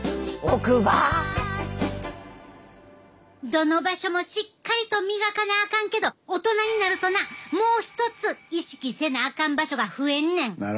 どの場所もしっかりと磨かなあかんけど大人になるとなもう一つ意識せなあかん場所が増えんねん。